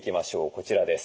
こちらです。